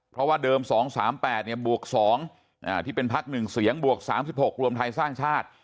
เพราะว่าเดิมสองสามแปดเนี่ยบวกสองอ่าที่เป็นพักหนึ่งเสียงบวกสามสิบหกรวมไทยสร้างชาติ